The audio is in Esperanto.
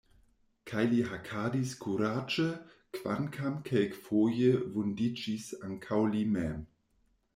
Kaj li hakadis kuraĝe, kvankam kelkfoje vundiĝis ankaŭ li mem.